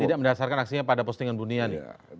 tidak mendasarkan aksinya pada postingan buniani